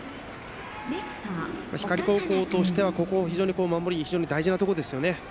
光高校としては、守りが非常に大事なところですよ。